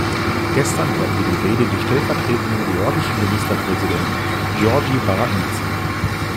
Gestern hörten wir die Rede des stellvertretenden georgischen Ministerpräsidenten Giorgi Baramidze.